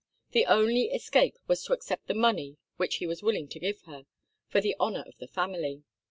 The only escape was to accept the money which he was willing to give her for the honour of the family.